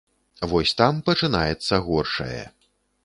Вось там пачынаецца горшае.